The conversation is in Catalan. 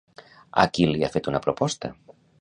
A qui li ha fet una proposta?